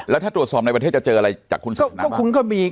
แล้วถ้าตรวจสอบในประเทศจะเจออะไรจากคุณสัญลักษณะบ้าง